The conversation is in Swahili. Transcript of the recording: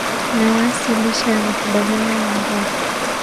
na waasi licha ya makubaliano ya Angola